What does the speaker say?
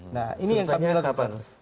nah ini yang kami lakukan